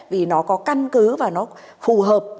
vì nó có căn cứ và nó phù hợp